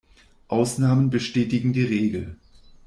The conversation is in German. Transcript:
Ausnahmen bestätigen die Regel.